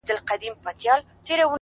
جـنــگ له فريادي ســــره،